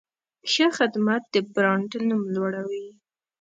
ښه خدمت د برانډ نوم لوړوي.